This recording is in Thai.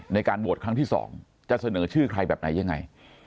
ในการโหวตครั้งที่๒จะเสนอชื่อใครแบบไหนยังไง